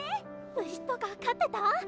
牛とか飼ってた？